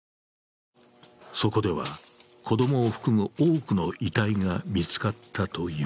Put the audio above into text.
そこでは子供を含む多くの遺体が見つかったという。